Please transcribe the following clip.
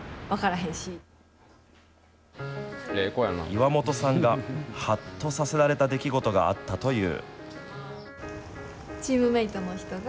岩元さんが、はっとさせられた出来事があったという。